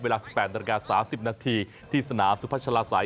เวลา๑๘นาฬิกา๓๐นาทีที่สนามสุพัชลาศัย